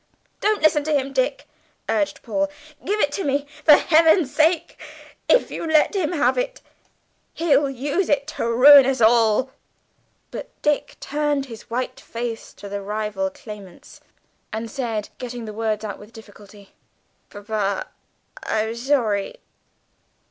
"Don't listen to him, Dick," urged Paul. "Give it to me, for Heaven's sake; if you let him have it, he'll use it to ruin us all." But Dick turned his white face to the rival claimants and said, getting the words out with difficulty: "Papa, I'm shorry.